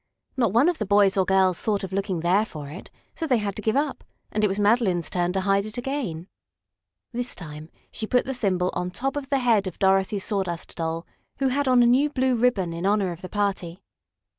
Not one of the boys or girls thought of looking there for it, so they had to give up, and it was Madeline's turn to hide it again. This time she put the thimble on top of the head of Dorothy's Sawdust Doll, who had on a new blue ribbon in honor of the party.